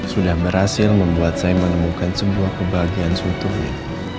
sudah berhasil membuat saya menemukan sebuah kebahagiaan sebetulnya